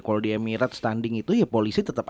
kalau di emirates tanding itu ya polisi tetap